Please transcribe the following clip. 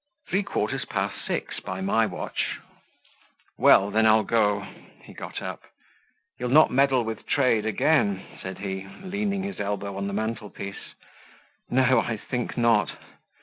"Three quarters past six by my watch." "Well, then I'll go." He got up. "You'll not meddle with trade again?" said he, leaning his elbow on the mantelpiece. "No; I think not."